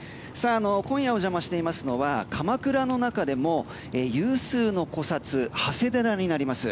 今夜お邪魔しているのは鎌倉の中でも有数の古刹、長谷寺になります。